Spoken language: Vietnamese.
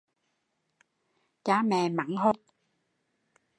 Cha mẹ mắng hoài, con đổ lì